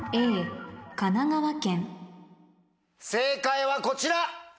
正解はこちら！